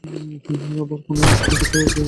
আবার কোনো কোনো ক্ষেত্রে তা ঋগ্বেদ থেকে স্বতন্ত্র।